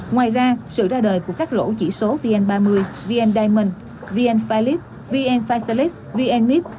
ngoài ra sự ra đời của các lỗ chỉ số vn ba mươi vn diamond vn philips vn physalis vn mix